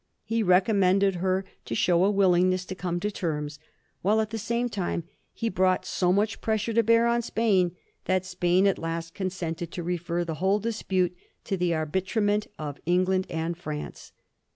He recommended her to show a willingness to come to terms, while at the same time he brought so much pressure to bear on Spain that Spain at last consented to refer the whole dispute to the arbitra ment of England and France.